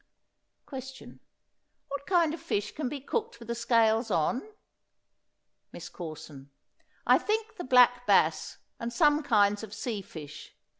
Question. What kind of fish can be cooked with the scales on? MISS CORSON. I think the black bass, and some kinds of sea fish.